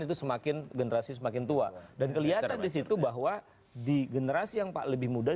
itu semakin generasi semakin tua dan kelihatan disitu bahwa di generasi yang lebih muda